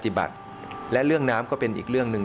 ปฏิบัติและเรื่องน้ำก็เป็นอีกเรื่องหนึ่ง